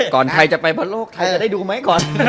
ก่อนใครจะไปบนโลกใครจะได้ดูไหม